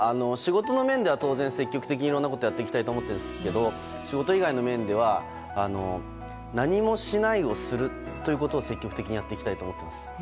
仕事の面では当然積極的にいろんなことやっていきたいと思ってるんですけど仕事以外の面では何もしないをするということを積極的にやっていきたいと思っています。